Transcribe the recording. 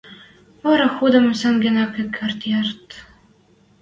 Вара худам сӹнген ак керд яд.